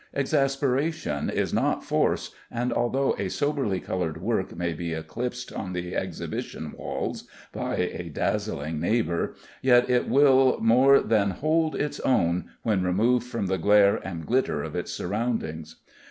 Exasperation is not force, and although a soberly colored work may be eclipsed on the exhibition walls by a dazzling neighbor, yet it will more than hold its own when removed from the glare and glitter of its surroundings.